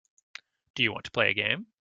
Do you want to play a game.